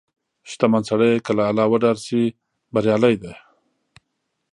• شتمن سړی که له الله وډار شي، بریالی دی.